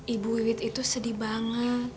ibu wiwit itu sedih banget